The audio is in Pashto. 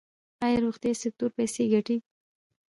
آیا روغتیايي سکتور پیسې ګټي؟